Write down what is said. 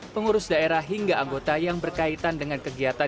pengurus daerah hingga anggota yang berkaitan dengan kegiatan